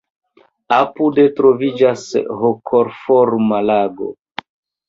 Apude troviĝas hokoforma lago.